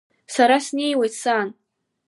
Сара снеиуеит, сан!